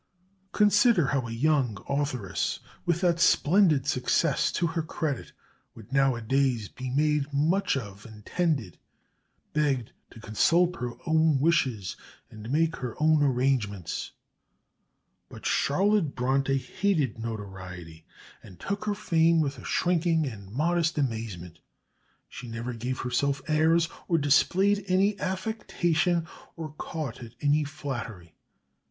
Consider how a young authoress, with that splendid success to her credit, would nowadays be made much of and tended, begged to consult her own wishes and make, her own arrangements. But Charlotte Bronte hated notoriety, and took her fame with a shrinking and modest amazement. She never gave herself airs, or displayed any affectation, or caught at any flattery.